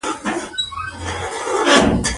باید دا مقام وساتو.